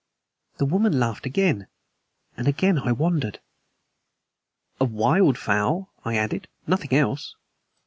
The woman laughed again, and again I wondered. "A wild fowl," I added; "nothing else."